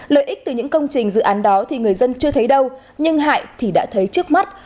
lợi ích từ những công trình dự án đó thì người dân chưa thấy đâu nhưng hại thì đã thấy trước mắt